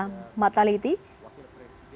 disambut sejumlah petinggi dpr mpr dan juga dpd